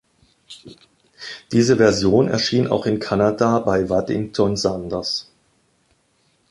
Diese Version erschien auch in Kanada bei Waddington Sanders.